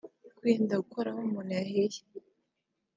Kwirinda gukora aho umuntu yahiye